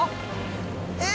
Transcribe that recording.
え！